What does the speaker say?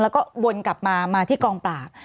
แล้วก็วนกลับมามาที่กองปราบ